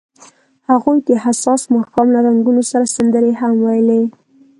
هغوی د حساس ماښام له رنګونو سره سندرې هم ویلې.